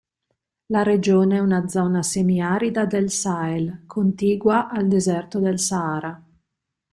La regione è una zona semi arida del sahel, contigua al deserto del Sahara.